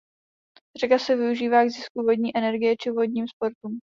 Řeka se využívá k zisku vodní energie či vodním sportům.